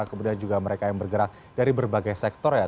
kemudian juga mereka yang bergerak dari berbagai sektor ya